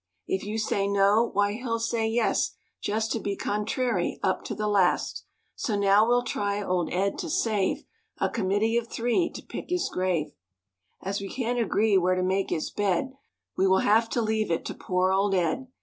If you say no, why he'll say 'yes' Just to be contrary up to the last. So now we'll try old Ed to save,— A committee of three to pick his grave. As we can't agree where to make his bed, We will have to leave it to poor old Ed."